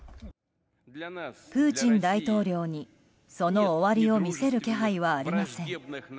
プーチン大統領にその終わりを見せる気配はありません。